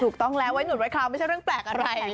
ถูกต้องแล้วไว้หนุนไว้คราวไม่ใช่เรื่องแปลกอะไร